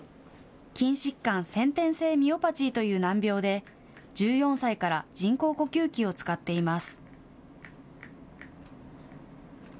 筋疾患先天性ミオパチーという難病で１４歳から人工呼吸器を使っています。